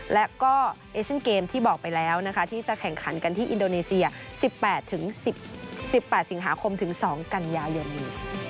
และก็เอเชียนเกมที่บอกไปแล้วนะคะที่จะแข่งขันกันที่อินโดนีเซีย๑๘๑๘สิงหาคมถึง๒กันยายนนี้